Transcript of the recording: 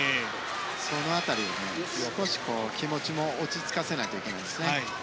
その辺り、少し気持ちも落ち着かせないといけないです。